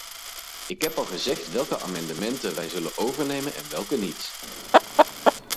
Ik heb al gezegd welke amendementen wij zullen overnemen en welke niet.